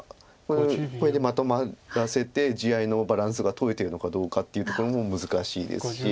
これでまとまらせて地合いのバランスがとれてるのかどうかっていうところも難しいですし。